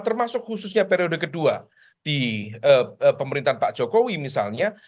termasuk khususnya periode kedua di pemerintahan pak jokowi misalnya